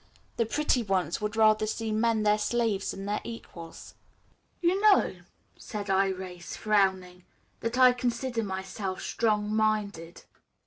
The pretty ones would rather see men their slaves than their equals." "You know," said Irais, frowning, "that I consider myself strong minded."